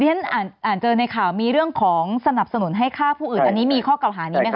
ฉันอ่านเจอในข่าวมีเรื่องของสนับสนุนให้ฆ่าผู้อื่นอันนี้มีข้อเก่าหานี้ไหมค